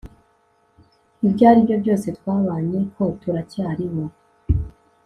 ibyo aribyo byose twabanye, ko turacyariho